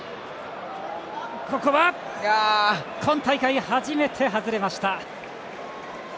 今大会初めて外れました。